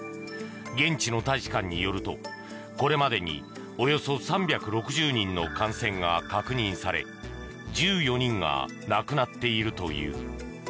現地の大使館によるとこれまでにおよそ３６０人の感染が確認され１４人が亡くなっているという。